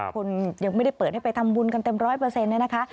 คนยังไม่ได้เปิดให้ไปทำบุญกันเต็ม๑๐๐เนี่ยนะคะ